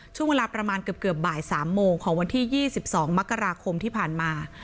ช่วงเวลาประมาณเกือบบ่าย๓โมงของวันที่๒๒มกราคมที่ผ่านมา